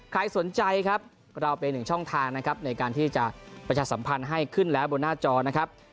ใครสนใจครับเราเป็นหนึ่งช่องทางนะครับในการที่จะประชาสัมพันธ์ให้ขึ้นแล้วบนหน้าจอนะครับ